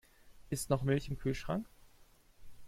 Ist noch Milch im Kühlschrank?